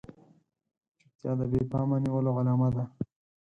چوپتيا د بې پامه نيولو علامه ده.